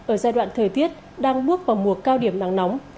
ở giai đoạn thời tiết đang bước vào mùa cao điểm nắng nóng